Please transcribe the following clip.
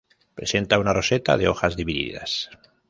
Presenta una roseta de hojas divididas.